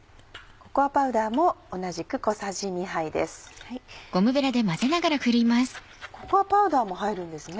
ココアパウダーも入るんですね。